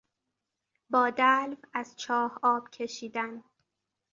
با دلو از چاه آب کشیدن